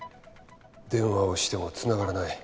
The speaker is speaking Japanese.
電話をしてもつながらない。